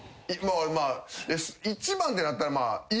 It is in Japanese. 一番ってなったら。